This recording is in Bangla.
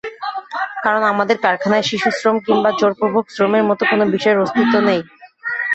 কারণ আমাদের কারখানায় শিশুশ্রম কিংবা জোরপূর্বক শ্রমের মতো কোনো বিষয়ের অস্তিত্ব নেই।